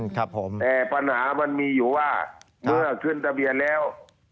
ครับผมแต่ปัญหามันมีอยู่ว่าเมื่อขึ้นทะเบียนแล้ว